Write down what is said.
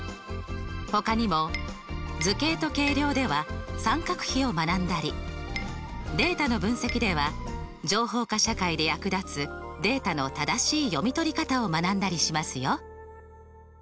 ほかにも「図形と計量」では三角比を学んだり「データの分析」では情報化社会で役立つデータの正しい読み取り方を学んだりしますよ。